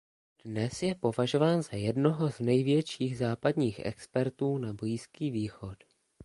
Dnes je považován za jednoho z největších západních expertů na Blízký východ.